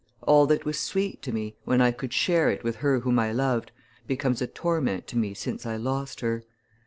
All that was sweet to me, when I could share it with her whom I loved, becomes a torment to me since I lost her.